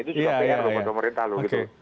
itu juga pengen pemerintah pemerintah loh gitu